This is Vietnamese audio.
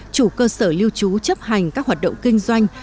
chủ cơ sở lưu trú chấp hành các hoạt động kinh doanh